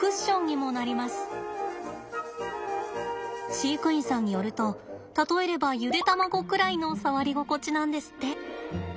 飼育員さんによると例えればゆで卵ぐらいの触り心地なんですって。